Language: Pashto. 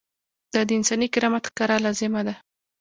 دا د انساني کرامت ښکاره لازمه ده.